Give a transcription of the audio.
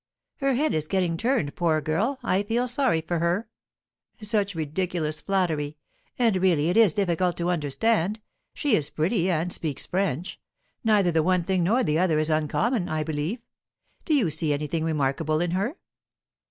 "Her head is getting turned, poor girl. I feel sorry for her." "Such ridiculous flattery! And really it is difficult to understand. She is pretty, and speaks French; neither the one thing nor the other is uncommon, I believe. Do you see anything remarkable in her?"